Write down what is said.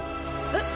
えっ？